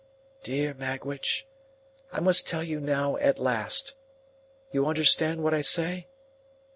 "Dear Magwitch, I must tell you now, at last. You understand what I say?"